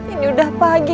ini udah pagi